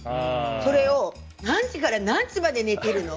それを何時から何時まで寝てるの？